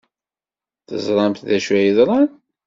Teẓramt d acu ay yeḍran?